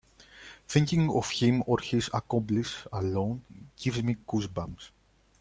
Thinking of him or his accomplice alone gives me goose bumps.